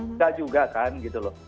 enggak juga kan gitu loh